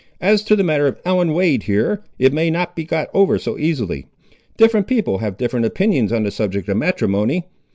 As to the matter of Ellen Wade, here, it may not be got over so easily. Different people have different opinions on the subject of matrimony.